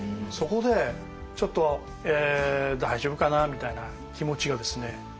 そこでちょっと大丈夫かなみたいな気持ちがですね